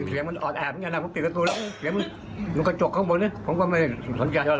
เสียงมันออดแอบมากหลังถึงปิดกระตูเร็วเสียงมันเป็นกระจกข้างบนนะผมก็ไม่สัญญาณ